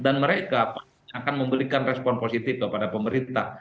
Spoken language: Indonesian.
dan mereka akan memberikan respon positif kepada pemerintah